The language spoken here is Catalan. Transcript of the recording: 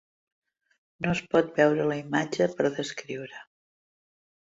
No es pot veure la imatge per descriure